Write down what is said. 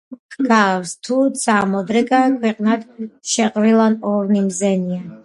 ჰგავს, თუ ცა მოდრკა ქვეყანად, შეყრილან ორნი მზენია.